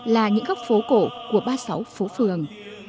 là những góc phố cổ của ba mươi sáu phố phường